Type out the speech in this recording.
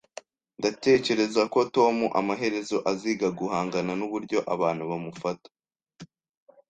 Ndatekereza ko Tom amaherezo aziga guhangana nuburyo abantu bamufata